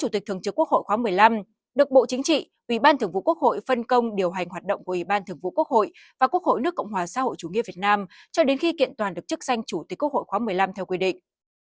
ông trần thanh mẫn ủy viên bộ chính trị ủy ban thường vụ quốc hội phân công điều hành hoạt động của ủy ban thường vụ quốc hội và quốc hội nước cộng hòa xã hội chủ nghĩa việt nam cho đến khi kiện toàn được chức danh chủ tịch quốc hội khoá một mươi năm theo quy định